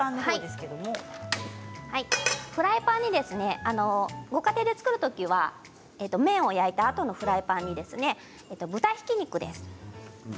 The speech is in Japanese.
フライパンにご家庭で作る時は麺を焼いたあとのフライパンに豚ひき肉です。